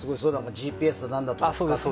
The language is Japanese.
ＧＰＳだなんだとか使って？